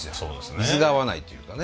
水が合わないっていうかね。